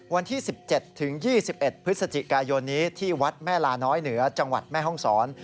วันที่๑๗ถึง๒๑พฤศจิกายนนี้ที่วัดแม่ลาน้อยเหนือจังหวัดแม่ห้องศร